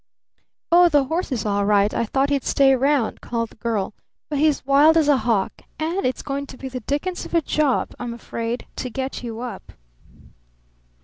"Oh, the horse is all right. I thought he'd stay 'round," called the girl. "But he's wild as a hawk and it's going to be the dickens of a job, I'm afraid, to get you up."